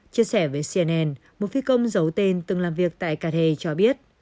chia sẻ với cnn một phi công giấu tên từng làm việc tại cathay cho biết